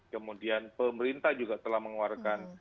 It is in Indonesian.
kemudian pemerintah juga telah mengeluarkan